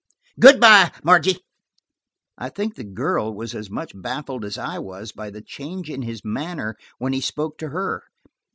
Good by, Margie." I think the girl was as much baffled as I was by the change in his manner when he spoke to her.